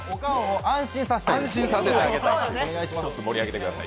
安心させてあげたい。